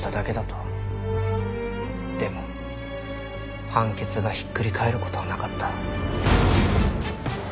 でも判決がひっくり返る事はなかった。